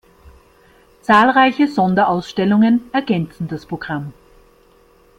Zahlreiche Sonderausstellungen ergänzen das Programm.